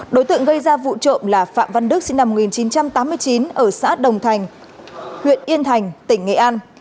đối tượng gây ra vụ trộm là phạm văn đức sinh năm một nghìn chín trăm tám mươi chín ở xã đồng thành huyện yên thành tỉnh nghệ an